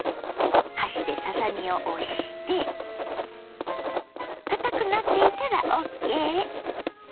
箸でささ身を押してかたくなっていたらＯＫ。